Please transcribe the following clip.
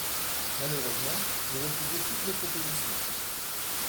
Malheureusement, vous refusez toutes nos propositions.